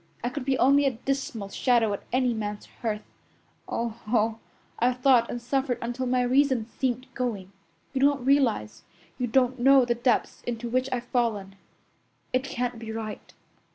I could be only a dismal shadow at any man's hearth. Oh, oh! I've thought and suffered until my reason seemed going. You don't realize, you don't know the depths into which I've fallen. It can't be right."